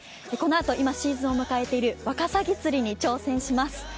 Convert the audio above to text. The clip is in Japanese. このあと今シーズンを迎えているわかさぎ釣りに挑戦します。